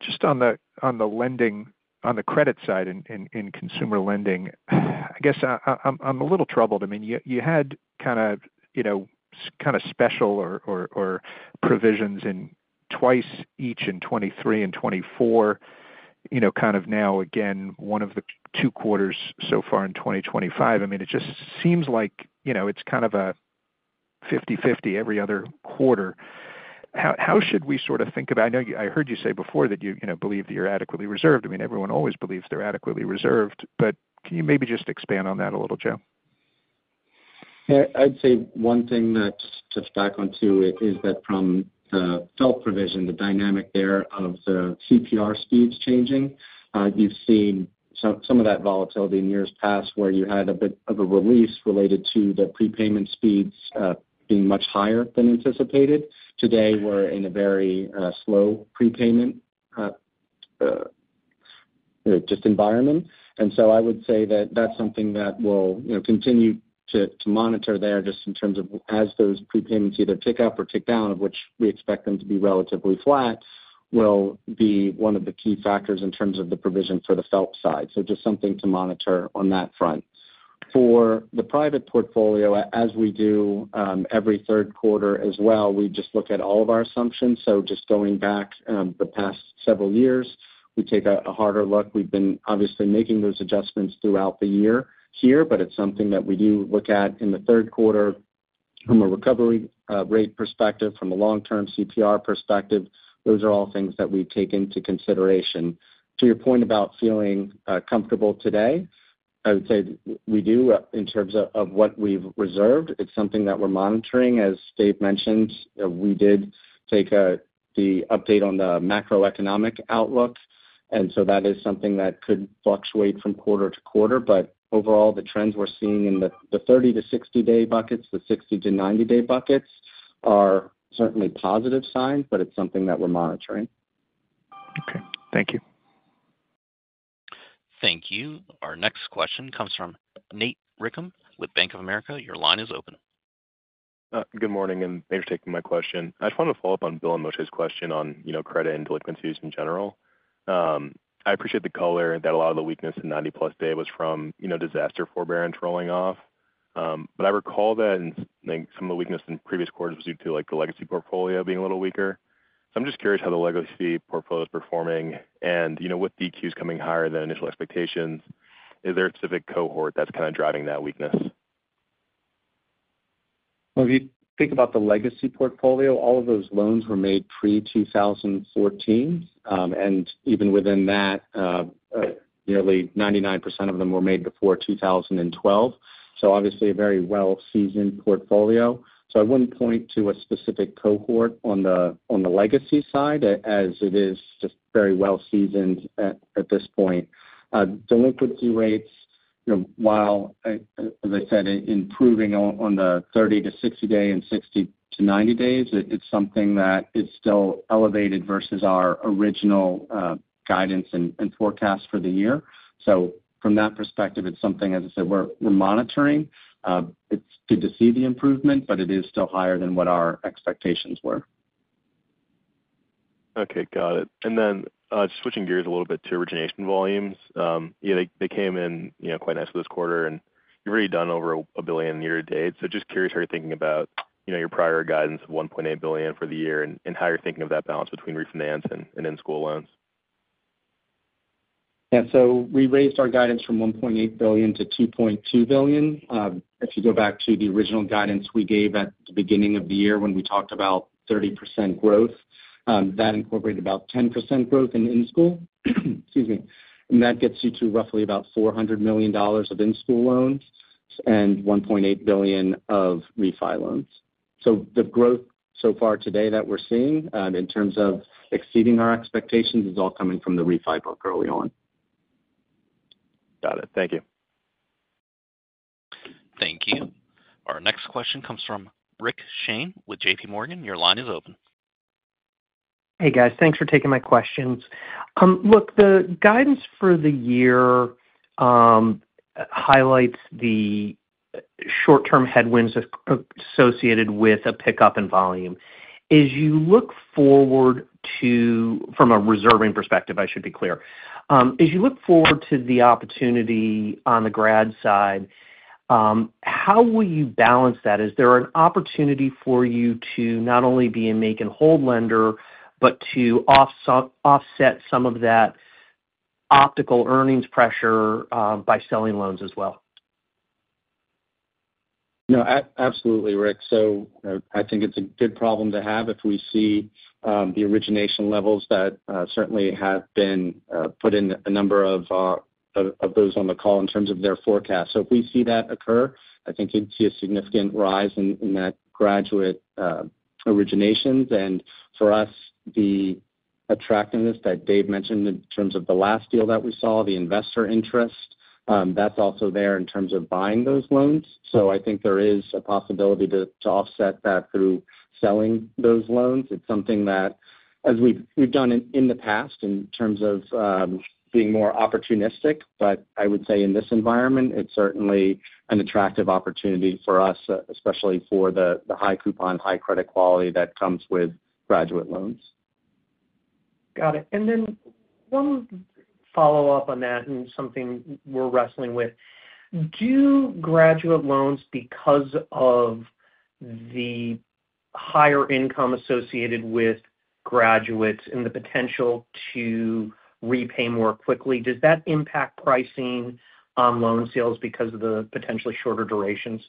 Just on the lending, on the credit side in consumer lending, I guess I'm a little troubled. You had kind of special provisions in twice each in 2023 and 2024, now again, one of the two quarters so far in 2025. It just seems like it's kind of a 50/50 every other quarter. How should we sort of think about, I know I heard you say before that you believe that you're adequately reserved. Everyone always believes they're adequately reserved, but can you maybe just expand on that a little, Joe? Yeah, I'd say one thing to touch back on too is that from the FFELP provision, the dynamic there of the CPR speeds changing. You've seen some of that volatility in years past where you had a bit of a release related to the prepayment speeds being much higher than anticipated. Today, we're in a very slow prepayment environment. I would say that that's something that we'll continue to monitor there just in terms of as those prepayments either tick up or tick down, of which we expect them to be relatively flat, will be one of the key factors in terms of the provision for the FFELP side. Just something to monitor on that front. For the private portfolio, as we do every third quarter as well, we just look at all of our assumptions. Going back the past several years, we take a harder look. We've been obviously making those adjustments throughout the year here, but it's something that we do look at in the third quarter from a recovery rate perspective, from a long-term CPR perspective. Those are all things that we take into consideration. To your point about feeling comfortable today, I would say we do in terms of what we've reserved. It's something that we're monitoring. As Dave mentioned, we did take the update on the macroeconomic outlook. That is something that could fluctuate from quarter to quarter. Overall, the trends we're seeing in the 30 to 60-day buckets, the 60 to 90-day buckets are certainly positive signs, but it's something that we're monitoring. Okay, thank you. Thank you. Our next question comes from Nate Richam with Bank of America. Your line is open. Good morning, and thanks for taking my question. I just wanted to follow up on Bill and Moshe's question on, you know, credit and delinquencies in general. I appreciate the color that a lot of the weakness in 90+ day was from, you know, disaster forbearance rolling off. I recall that some of the weakness in previous quarters was due to the legacy portfolio being a little weaker. I'm just curious how the legacy portfolio is performing. With the EQs coming higher than initial expectations, is there a specific cohort that's kind of driving that weakness? If you think about the legacy portfolio, all of those loans were made pre-2014. Even within that, nearly 99% of them were made before 2012. Obviously, a very well-seasoned portfolio. I wouldn't point to a specific cohort on the legacy side as it is just very well-seasoned at this point. Delinquency rates, you know, while, as I said, improving on the 30-60 day and 60 to 90 days, it's something that is still elevated versus our original guidance and forecast for the year. From that perspective, it's something, as I said, we're monitoring. It's good to see the improvement, but it is still higher than what our expectations were. Okay, got it. Switching gears a little bit to origination volumes, they came in quite nicely this quarter, and you've already done over $1 billion year-to-date. I'm just curious how you're thinking about your prior guidance of $1.8 billion for the year and how you're thinking of that balance between refinance and in-school loans. Yeah, we raised our guidance from $1.8 billion to $2.2 billion. If you go back to the original guidance we gave at the beginning of the year when we talked about 30% growth, that incorporated about 10% growth in in-school. That gets you to roughly about $400 million of in-school loans and $1.8 billion of refi loans. The growth so far today that we're seeing in terms of exceeding our expectations is all coming from the refi book early on. Got it. Thank you. Thank you. Our next question comes from Rich Shane with JPMorgan. Your line is open. Hey guys, thanks for taking my questions. The guidance for the year highlights the short-term headwinds associated with a pickup in volume. As you look forward to, from a reserving perspective, as you look forward to the opportunity on the grad side, how will you balance that? Is there an opportunity for you to not only be a make-and-hold lender, but to offset some of that optical earnings pressure by selling loans as well? No, absolutely, Rich. I think it's a good problem to have if we see the origination levels that certainly have been put in a number of those on the call in terms of their forecast. If we see that occur, I think we'd see a significant rise in that graduate origination. For us, the attractiveness that Dave mentioned in terms of the last deal that we saw, the investor interest, that's also there in terms of buying those loans. I think there is a possibility to offset that through selling those loans. It's something that, as we've done in the past in terms of being more opportunistic, I would say in this environment, it's certainly an attractive opportunity for us, especially for the high coupon, high credit quality that comes with graduate loans. Got it. One follow-up on that and something we're wrestling with. Do graduate loans, because of the higher income associated with graduates and the potential to repay more quickly, impact pricing on loan sales because of the potentially shorter durations?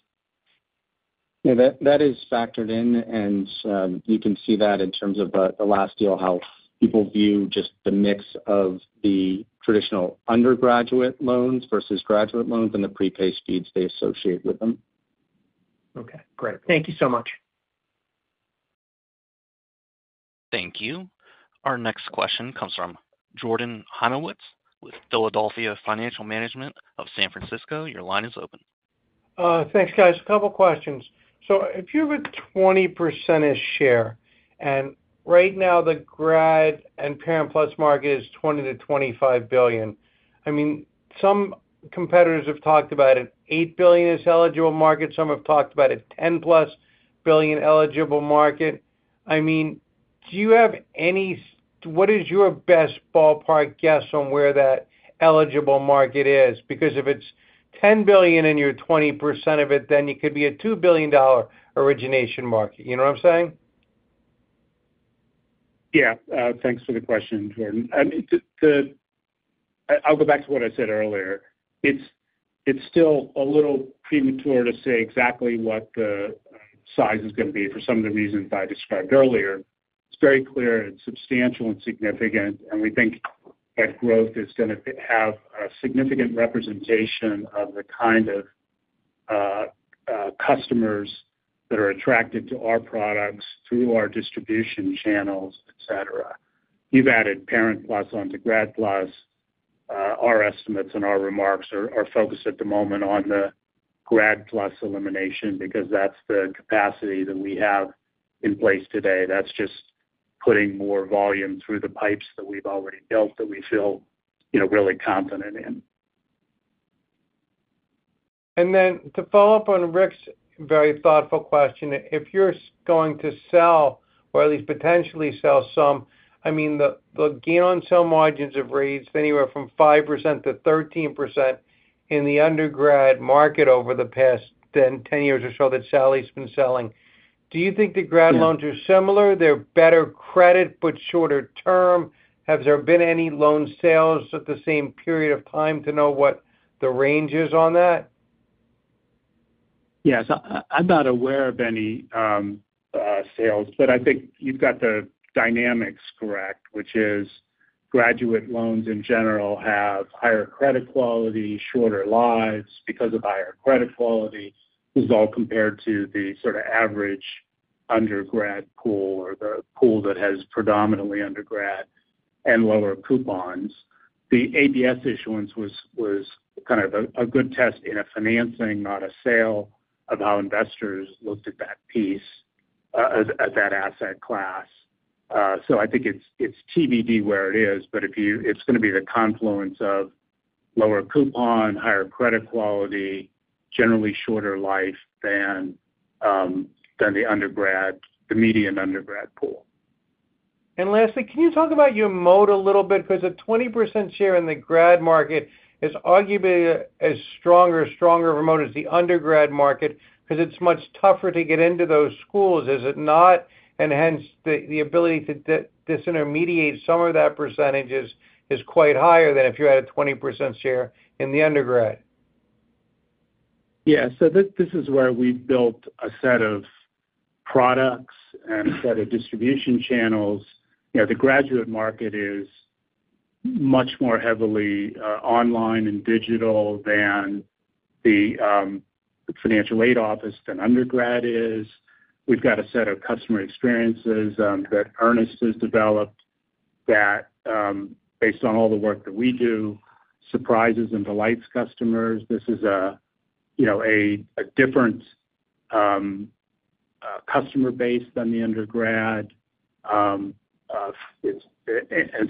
Yeah, that is factored in, and you can see that in terms of the last deal how people view just the mix of the traditional undergraduate loans versus graduate loans and the prepayment speeds they associate with them. Okay, great. Thank you so much. Thank you. Our next question comes from Jordan Heimowitz with Philadelphia Financial Management of San Francisco. Your line is open. Thanks, guys. A couple of questions. If you have a 20% share, and right now the grad and Parent PLUS market is $20 billion to $25 billion, some competitors have talked about an $8 billion eligible market. Some have talked about a $10 billion-plus eligible market. Do you have any, what is your best ballpark guess on where that eligible market is? Because if it's $10 billion and you're 20% of it, then you could be a $2 billion origination market. You know what I'm saying? Yeah, thanks for the question, Jordan. I'll go back to what I said earlier. It's still a little premature to say exactly what the size is going to be for some of the reasons I described earlier. It's very clear and substantial and significant, and we think that growth is going to have a significant representation of the kind of customers that are attracted to our products through our distribution channels, etc. You've added Parent PLUS onto Grad PLUS. Our estimates and our remarks are focused at the moment on the Grad PLUS elimination because that's the capacity that we have in place today. That's just putting more volume through the pipes that we've already built that we feel really confident in. To follow up on Rich's very thoughtful question, if you're going to sell or at least potentially sell some, the gain on sale margins have ranged anywhere from 5% to 13% in the undergrad market over the past 10 years or so that Sallie has been selling. Do you think the grad loans are similar? They're better credit, but shorter term. Have there been any loan sales at the same period of time to know what the range is on that? Yeah, I'm not aware of any sales, but I think you've got the dynamics correct, which is graduate loans in general have higher credit quality and shorter lives because of higher credit quality. This is all compared to the sort of average undergrad pool or the pool that has predominantly undergrad and lower coupons. The ABS issuance was kind of a good test in a financing, not a sale, of how investors looked at that piece, at that asset class. I think it's TBD where it is, but it's going to be the confluence of lower coupon, higher credit quality, and generally shorter life than the median undergrad pool. Lastly, can you talk about your moat a little bit? Because a 20% share in the grad market is arguably as strong or stronger of a moat as the undergrad market, because it's much tougher to get into those schools, is it not? Hence, the ability to disintermediate some of that percentage is quite higher than if you had a 20% share in the undergrad. This is where we've built a set of products and a set of distribution channels. The graduate market is much more heavily online and digital than the financial aid office than undergrad is. We've got a set of customer experiences that Earnest has developed that, based on all the work that we do, surprises and delights customers. This is a different customer base than the undergrad.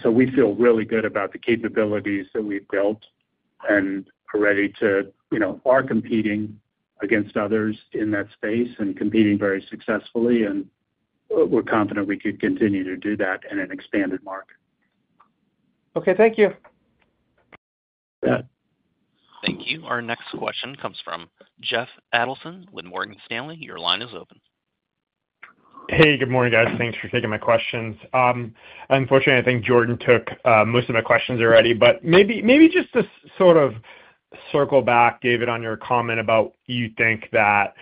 We feel really good about the capabilities that we've built and are ready to, you know, are competing against others in that space and competing very successfully. We're confident we could continue to do that in an expanded market. Okay, thank you. Thank you. Our next question comes from Jeff Adelson with Morgan Stanley. Your line is open. Hey, good morning, guys. Thanks for taking my questions. Unfortunately, I think Jordan took most of my questions already. Maybe just to sort of circle back, David, on your comment about you think that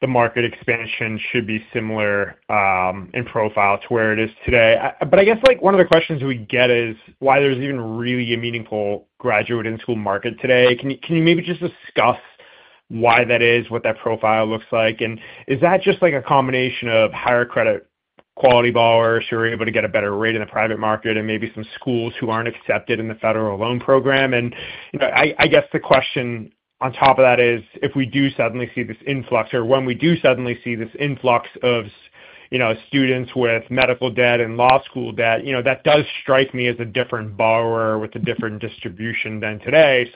the market expansion should be similar in profile to where it is today. I guess one of the questions we get is why there's even really a meaningful graduate in-school market today. Can you maybe just discuss why that is, what that profile looks like? Is that just like a combination of higher credit quality borrowers who are able to get a better rate in the private market and maybe some schools who aren't accepted in the federal loan program? I guess the question on top of that is if we do suddenly see this influx or when we do suddenly see this influx of, you know, students with medical debt and law school debt, that does strike me as a different borrower with a different distribution than today.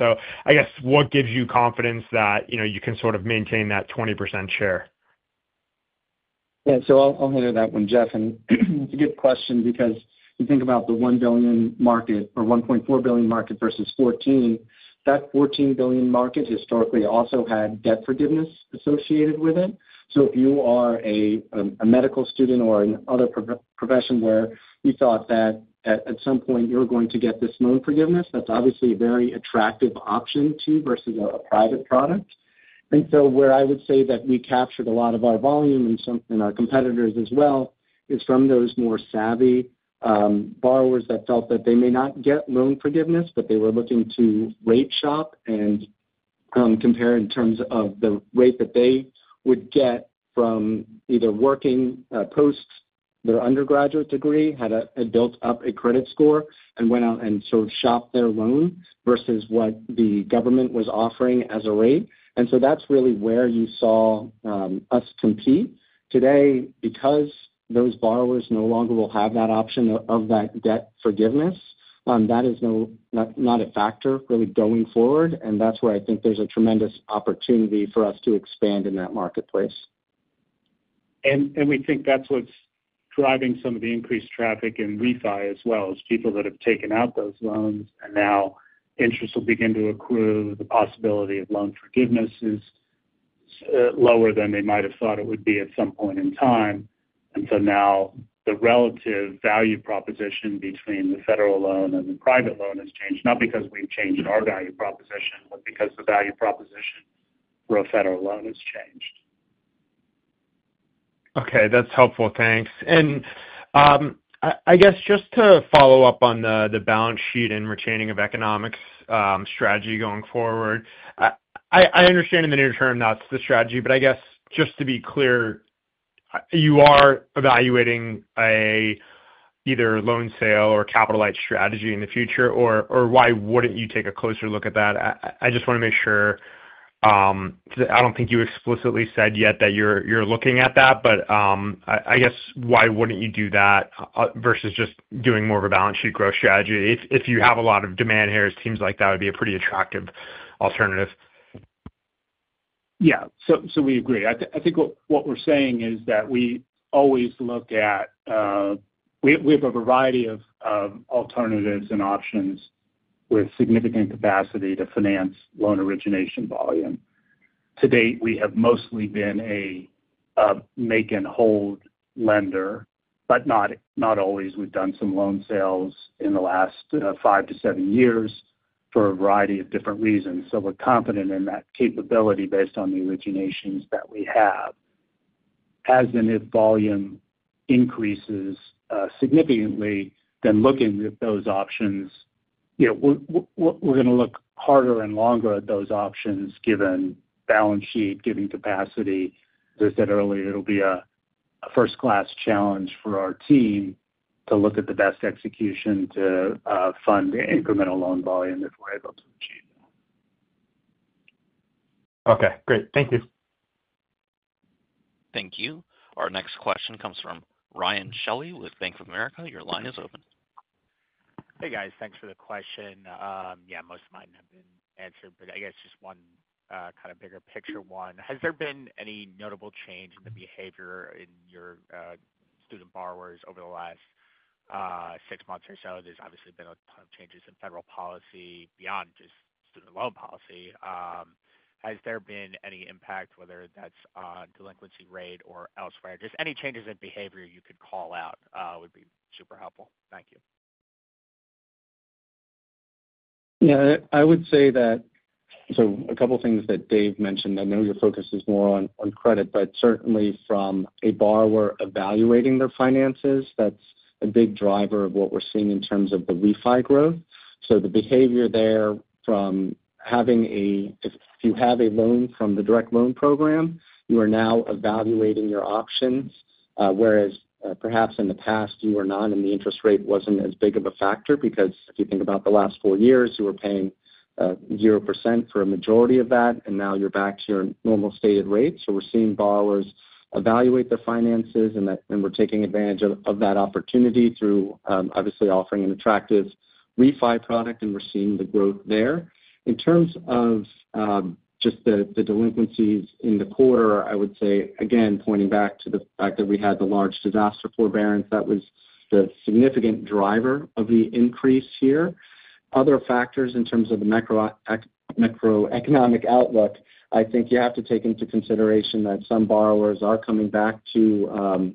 I guess what gives you confidence that you can sort of maintain that 20% share? Yeah, I'll handle that one, Jeff. It's a good question because you think about the $1 billion market or $1.4 billion market versus $14 billion. That $14 billion market historically also had debt forgiveness associated with it. If you are a medical student or another profession where you thought that at some point you were going to get this loan forgiveness, that's obviously a very attractive option to you versus a private product. Where I would say that we captured a lot of our volume and our competitors as well is from those more savvy borrowers that felt that they may not get loan forgiveness, but they were looking to rate shop and compare in terms of the rate that they would get from either working post their undergraduate degree, had built up a credit score, and went out and shopped their loan versus what the government was offering as a rate. That's really where you saw us compete today because those borrowers no longer will have that option of that debt forgiveness. That is not a factor really going forward. That's where I think there's a tremendous opportunity for us to expand in that marketplace. We think that's what's driving some of the increased traffic in refi as well, is people that have taken out those loans. Now interest will begin to accrue. The possibility of loan forgiveness is lower than they might have thought it would be at some point in time. Now the relative value proposition between the federal loan and the private loan has changed, not because we've changed our value proposition, but because the value proposition for a federal loan has changed. Okay, that's helpful. Thanks. Just to follow up on the balance sheet and retaining of economics strategy going forward, I understand in the near term that's the strategy, but just to be clear, you are evaluating either a loan sale or capital-light strategy in the future, or why wouldn't you take a closer look at that? I just want to make sure that I don't think you explicitly said yet that you're looking at that, but why wouldn't you do that versus just doing more of a balance sheet growth strategy? If you have a lot of demand here, it seems like that would be a pretty attractive alternative. Yeah, we agree. I think what we're saying is that we always look at, we have a variety of alternatives and options with significant capacity to finance loan origination volume. To date, we have mostly been a make-and-hold lender, but not always. We've done some loan sales in the last five to seven years for a variety of different reasons. We're confident in that capability based on the originations that we have. As the NIF volume increases significantly, looking at those options, we're going to look harder and longer at those options given balance sheet, given capacity. As I said earlier, it'll be a first-class challenge for our team to look at the best execution to fund the incremental loan volume if we're able to achieve it. Okay, great. Thank you. Thank you. Our next question comes from Ryan Shelley with Bank of America. Your line is open. Hey guys, thanks for the question. Most of mine have been answered, but I guess just one kind of bigger picture one. Has there been any notable change in the behavior in your student borrowers over the last six months or so? There's obviously been a ton of changes in federal policy beyond just student loan policy. Has there been any impact, whether that's on delinquency rate or elsewhere? Any changes in behavior you could call out would be super helpful. Thank you. Yeah, I would say that, a couple of things that Dave mentioned, I know your focus is more on credit, but certainly from a borrower evaluating their finances, that's a big driver of what we're seeing in terms of the refi growth. The behavior there from having a, if you have a loan from the direct loan program, you are now evaluating your options, whereas perhaps in the past you were not and the interest rate wasn't as big of a factor because if you think about the last four years, you were paying 0% for a majority of that and now you're back to your normal stated rate. We're seeing borrowers evaluate their finances and we're taking advantage of that opportunity through obviously offering an attractive refi product and we're seeing the growth there. In terms of just the delinquencies in the quarter, I would say, again, pointing back to the fact that we had the large disaster forbearance that was the significant driver of the increase here. Other factors in terms of the macroeconomic outlook, I think you have to take into consideration that some borrowers are coming back to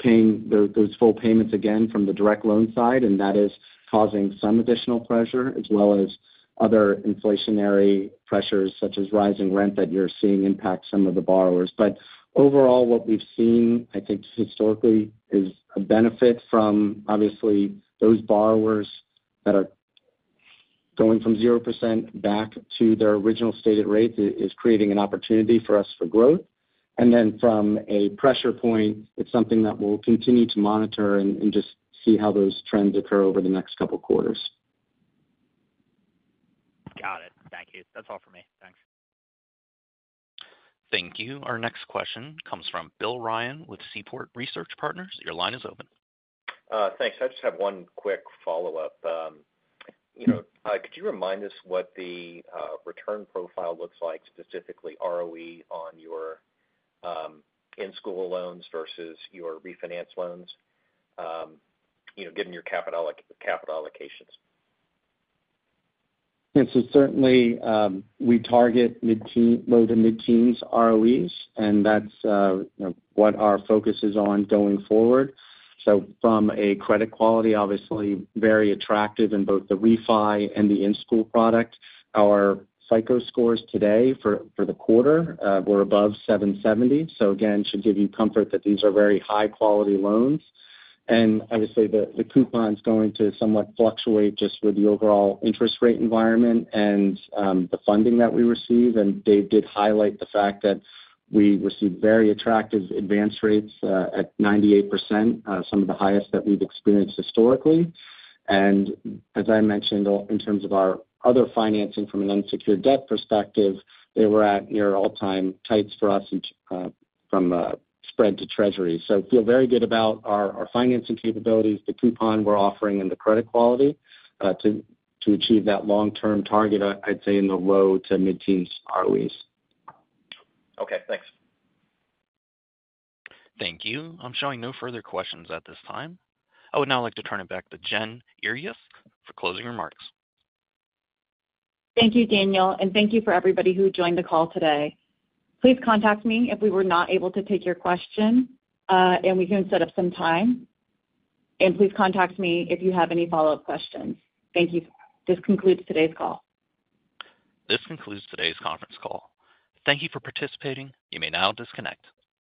paying those full payments again from the direct loan side and that is causing some additional pressure as well as other inflationary pressures such as rising rent that you're seeing impact some of the borrowers. Overall, what we've seen, I think historically, is a benefit from obviously those borrowers that are going from 0% back to their original stated rate is creating an opportunity for us for growth. From a pressure point, it's something that we'll continue to monitor and just see how those trends occur over the next couple quarters. Got it. Thank you. That's all for me. Thanks. Thank you. Our next question comes from Bill Ryan with Seaport Research Partners. Your line is open. Thanks. I just have one quick follow-up. Could you remind us what the return profile looks like, specifically ROE on your in-school loans versus your refinance loans, given your capital allocations? Yeah, certainly we target low to mid-teens ROEs and that's what our focus is on going forward. From a credit quality, obviously very attractive in both the refi and the in-school product. Our FICO scores today for the quarter were above 770. It should give you comfort that these are very high-quality loans. Obviously, the coupon is going to somewhat fluctuate just with the overall interest rate environment and the funding that we receive. Dave did highlight the fact that we received very attractive advance rates at 98%, some of the highest that we've experienced historically. As I mentioned, in terms of our other financing from an unsecured debt perspective, they were at near all-time heights for us from spread to treasury. I feel very good about our financing capabilities, the coupon we're offering, and the credit quality to achieve that long-term target, I'd say in the low to mid-teens ROEs. Okay, thanks. Thank you. I'm showing no further questions at this time. I would now like to turn it back to Jen Earyes for closing remarks. Thank you, Daniel, and thank you for everybody who joined the call today. Please contact me if we were not able to take your question and we couldn't set up some time. Please contact me if you have any follow-up questions. Thank you. This concludes today's call. This concludes today's conference call. Thank you for participating. You may now disconnect.